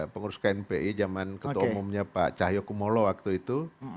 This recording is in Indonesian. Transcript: pengurus knpi zaman ketua umumnya pak cahyokumolo waktu itu